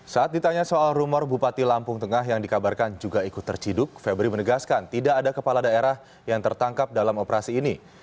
saat ditanya soal rumor bupati lampung tengah yang dikabarkan juga ikut terciduk febri menegaskan tidak ada kepala daerah yang tertangkap dalam operasi ini